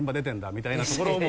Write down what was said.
みたいなところも。